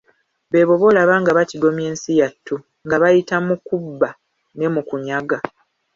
Beebo bolaba nga batigomya ensi yattu, nga bayita mu kubba ne mu kunyaga.